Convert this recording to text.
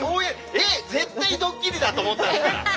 えっ絶対ドッキリだと思ったんですから。